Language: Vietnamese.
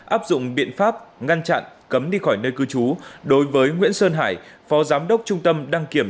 áp dụng biện pháp ngăn chặn cấm đi khỏi nơi cư trú đối với nguyễn sơn hải phó giám đốc trung tâm đăng kiểm